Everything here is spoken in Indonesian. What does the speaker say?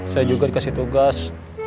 saya juga dikasih tugas